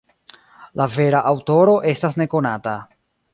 La vera aŭtoro estas nekonata.